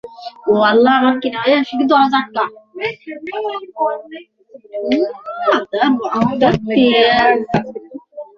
কিন্তু সহকর্মীরা প্রায় সবাই ঢাকার বাইরে চলে যাওয়ায় দেখা হয়নি কারও সঙ্গে।